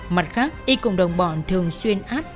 mặt khác y cộng đồng bọn thường xuyên áp